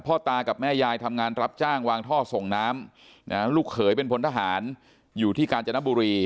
ตากับแม่ยายทำงานรับจ้างวางท่อส่งน้ำลูกเขยเป็นพลทหารอยู่ที่กาญจนบุรี